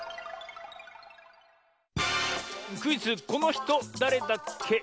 クイズ「このひとだれだっけ？」。